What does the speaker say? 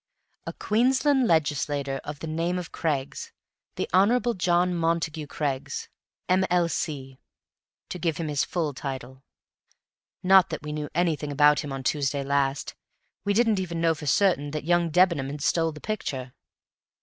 "A Queensland legislator of the name of Craggs the Hon. John Montagu Craggs, M.L.C., to give him his full title. Not that we knew anything about him on Tuesday last; we didn't even know for certain that young Debenham had stolen the picture.